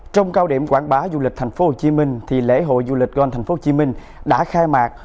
trong cao điểm quảng bá du lịch tp hcm lễ hội du lịch gon tp hcm đã khai mạc